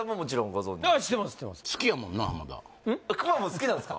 モン好きなんですか？